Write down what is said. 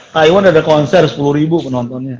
taiwan ada konser sepuluh ribu penontonnya